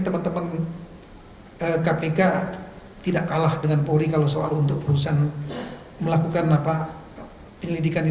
teman teman kpk tidak kalah dengan polri kalau soal untuk perusahaan melakukan apa penyelidikan ini